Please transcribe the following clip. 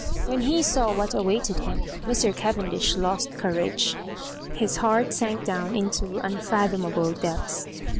When he saw what awaited him, Mr. Cavendish lost courage. His heart sank down into unfathomable depths.